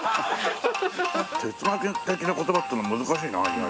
哲学的な言葉ってのは難しいな意外とな。